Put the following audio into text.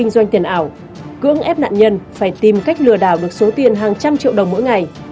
doanh tiền ảo cưỡng ép nạn nhân phải tìm cách lừa đảo được số tiền hàng trăm triệu đồng mỗi ngày